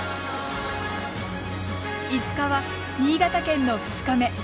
５日は新潟県の２日目。